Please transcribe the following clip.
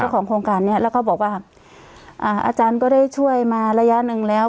ของโครงการนี้แล้วก็บอกว่าอ่าอาจารย์ก็ได้ช่วยมาระยะหนึ่งแล้ว